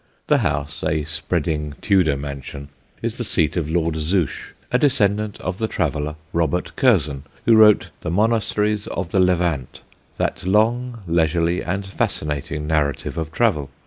The house, a spreading Tudor mansion, is the seat of Lord Zouche, a descendant of the traveller, Robert Curzon, who wrote The Monasteries of the Levant, that long, leisurely, and fascinating narrative of travel.